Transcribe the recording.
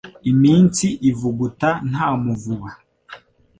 Iminsi ivuguta nta muvuba